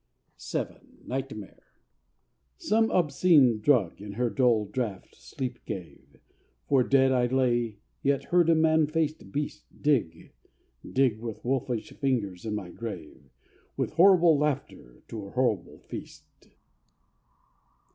VII Nightmare Some obscene drug in her dull draught Sleep gave, For dead I lay, yet heard a man faced beast Dig, dig with wolfish fingers in my grave, With horrible laughter to a horrible feast.